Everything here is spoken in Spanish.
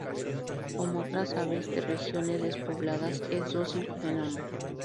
Como otras aves de regiones despobladas, es dócil con el hombre.